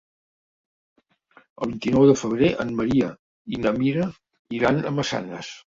El vint-i-nou de febrer en Maria i na Mira iran a Massanes.